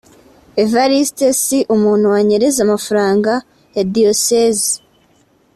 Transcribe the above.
Evariste si umuntu wanyereza amafaranga ya Diyoseze